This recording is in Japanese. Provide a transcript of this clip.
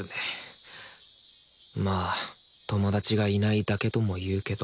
まあ友達がいないだけとも言うけど。